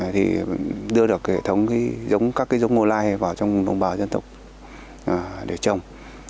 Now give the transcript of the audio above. thì đưa được hệ thống giống các cái giống ngô lai vào trong đồng bào dân tộc để trồng